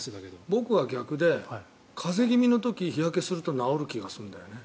僕は逆で風邪気味の時日焼けすると治る気がするんだよね。